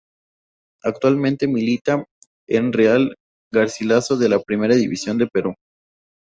Actualmente milita en Real Garcilaso de la Primera División de Perú.